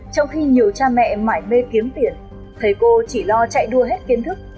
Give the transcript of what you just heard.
sau khi nhiều cha mẹ mãi mê kiếm tiền thầy cô chỉ lo chạy đua hết kiến thức